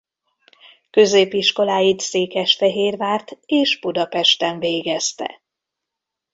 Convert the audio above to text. Középiskoláit Székesfehérvárt és Budapesten végezte.